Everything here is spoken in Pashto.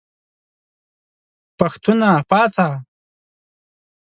پښتونه پاڅه !